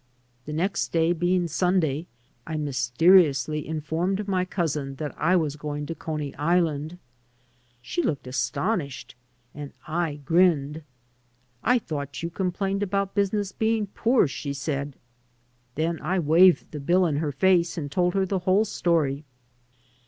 The next day being Sunday, I mysteriously informed my cousin that I was gomg to Coney Island. She looked astonished and I grinned. "I thought you complained about business being poor," she asked. Then I waved the bill in her face and told her the whole story.